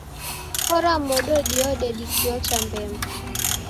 Kora modo diode dikiocha mbemba